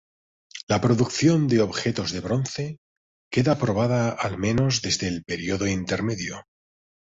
La producción de objetos de bronce queda probada al menos desde el período intermedio.